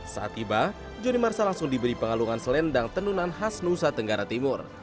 saat tiba joni marsa langsung diberi pengalungan selendang tenunan khas nusa tenggara timur